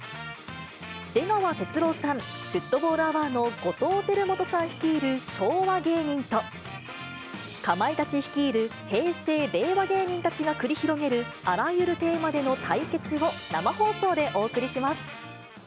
出川哲朗さん、フットボールアワーの後藤輝基さん率いる昭和芸人と、かまいたち率いる、平成・令和芸人たちが率いるあらゆるテーマでの対決を生放送でお送りします。